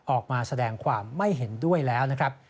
ออกมาแสดงความไม่เห็นด้วยแล้วนะครับ